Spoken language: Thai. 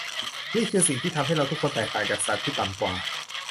นั่นคือสิ่งที่ทำให้เราทุกคนแตกต่างจากสัตว์ที่ต่ำกว่า